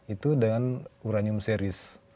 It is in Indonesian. itu dengan uranium series